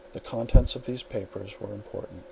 The contents of these papers were important.